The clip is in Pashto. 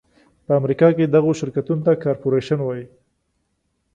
په امریکا کې دغو شرکتونو ته کارپورېشن وایي.